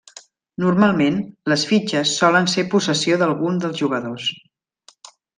Normalment, les fitxes solen ser possessió d'algun dels jugadors.